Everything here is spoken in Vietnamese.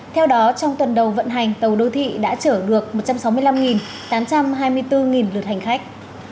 theo đó trong tuần đầu vận hành tàu đô thị đã chở được một trăm sáu mươi năm tám trăm hai mươi bốn lượt hành khách